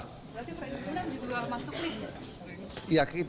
berarti freddy budiman juga masuk list